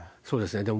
そうですね。